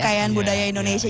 kekayaan budaya indonesia